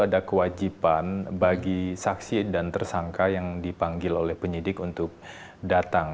ada kewajiban bagi saksi dan tersangka yang dipanggil oleh penyidik untuk datang